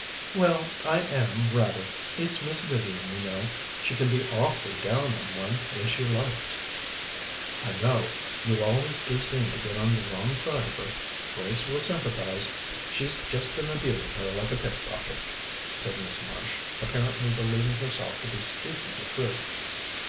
"Well, I am, rather. It's Miss Vivian, you know. She can be awfully down on one when she likes." "I know; you always do seem to get on the wrong side of her. Grace will sympathize; she's just been abusing her like a pickpocket," said Miss Marsh, apparently believing herself to be speaking the truth.